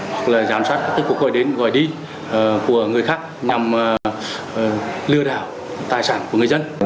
hoặc là giám sát các cuộc gọi đến gọi đi của người khác nhằm lừa đảo tài sản của người dân